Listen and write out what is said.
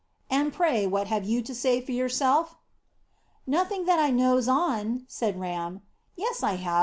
"And pray what have you to say for yourself?" "Nothing that I knows on," said Ram. "Yes, I have.